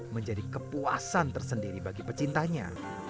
menjadi kepuasan tersendiri bagi pecintanya